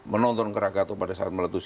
menonton krakatau pada saat meletus